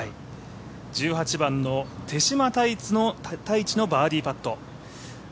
１８番の手嶋多一のバーディーパット。